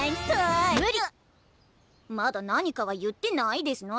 まだ何かは言ってないですの。